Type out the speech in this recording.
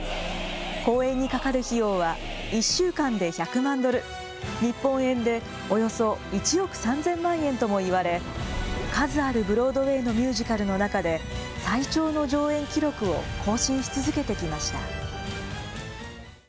公演にかかる費用は１週間で１００万ドル、日本円でおよそ１億３０００万円ともいわれ、数あるブロードウェイのミュージカルの中で、最長の上演記録を更新し続けてきました。